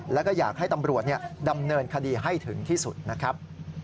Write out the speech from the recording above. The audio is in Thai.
แล้วก็อยากให้ตำรวจดำเนินคดีให้ถึงที่สุดนะครับ